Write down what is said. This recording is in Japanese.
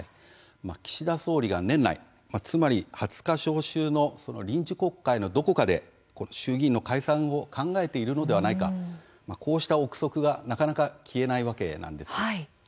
岸田総理が年内つまり２０日召集の臨時国会のどこかで衆議院の解散を考えているのではないかこうした臆測、これがなかなか消えないわけなんです。